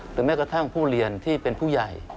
แม้กระทั่งผู้เรียนที่เป็นผู้ใหญ่